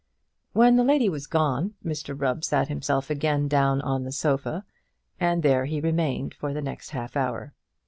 When the lady was gone, Mr Rubb sat himself again down on the sofa, and there he remained for the next half hour.